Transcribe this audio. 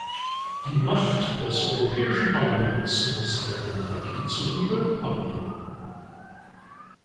Die Macht des Europäischen Parlaments muss der Demokratie zuliebe abnehmen.